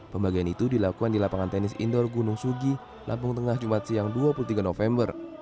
pembagian itu dilakukan di lapangan tenis indoor gunung sugi lampung tengah jumat siang dua puluh tiga november